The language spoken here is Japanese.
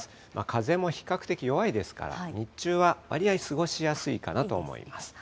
風も比較的弱いですから、日中は割合過ごしやすいかなと思います。